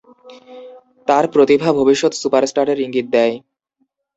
তার প্রতিভা ভবিষ্যৎ সুপারস্টারের ইঙ্গিত দেয়।